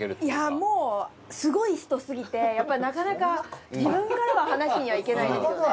いやもうすごい人すぎてやっぱりなかなか自分からは話しにはいけないですよね。